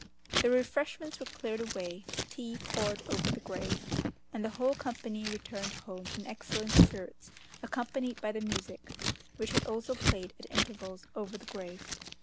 The refreshments were cleared away, the tea poured over the grave, and the whole company returned home in excellent spirits accompanied by the music, which had also played at intervals over the grave.